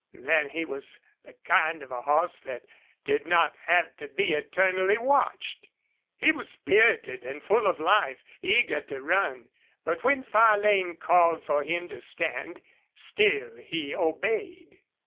Then he was the kind of a horse that did not have to be eternally watched. He was spirited and full of life, eager to run, but when Farlane called for him to stand still he obeyed.